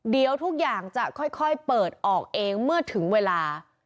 เดี๋ยวทุกอย่างจะค่อยเปิดออกเองเมื่อถึงเวลา